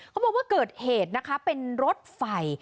เขาบอกว่าเกิดเหตุนะคะเป็นรถไฟ